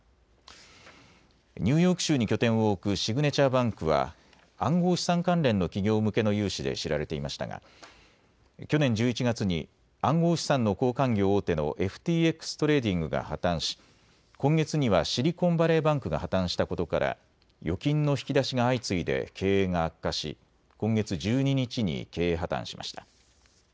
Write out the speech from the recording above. ニューヨーク州に拠点を置くシグネチャーバンクは暗号資産関連の企業向けの融資で知られていましたが去年１１月に暗号資産の交換業大手のＦＴＸトレーディングが破綻し、今月にはシリコンバレーバンクが破綻したことから預金の引き出しが相次いで経営が悪化し今月１２日に経営破綻しました。